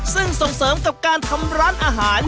ซึ่งส่งเสริมกับการทำร้านอาหาร